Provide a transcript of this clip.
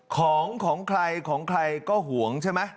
ของของใครของใครก็ห่วงใช่ไหม